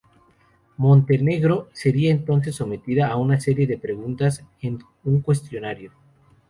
Montenegro sería entonces sometida a una serie de preguntas en un cuestionario.